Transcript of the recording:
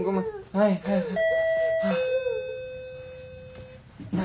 はいはいはい。